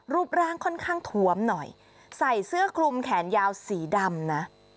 รูปร่างค่อนข้างถวมหน่อยใส่เสื้อคลุมแขนยาวสีดำนะ